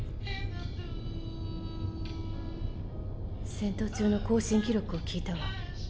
戦闘中の交信記録を聞いたわ。